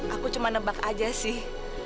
aku cuma nebak aja sih